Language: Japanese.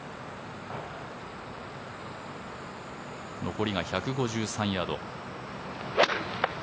残りが１５３ヤード。